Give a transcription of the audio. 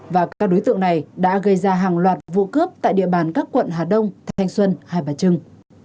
và các đối tượng này đã gây ra hàng loạt vụ cướp tại địa bàn các quận hà đông thanh xuân hai bà trưng